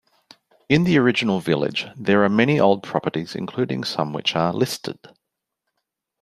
In the original village there are many old properties including some which are 'listed'.